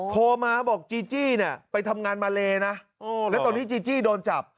โทรมาบอกจีจี้เนี่ยไปทำงานมาเลนะแล้วตอนที่จีจี้โดนจับ